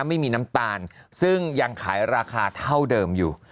ไม่มีน้ำตาลซึ่งยังขายราคาเท่าเดิมอยู่